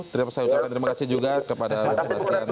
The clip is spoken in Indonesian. terima kasih juga kepada bung sebastian